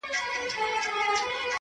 ارام سه څله دي پر زړه کوې باران د اوښکو’